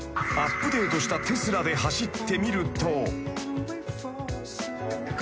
［アップデートしたテスラで走ってみると］